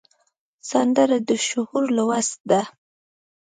سندره د شعور لوست ده